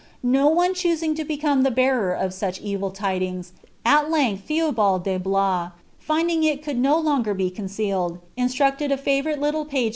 No one choosing i<» iMMme the' bearer of such evil tidings, at length Theobald de Blois, Ending it could no longer be concealed, instructed a favourite little pag* ■.'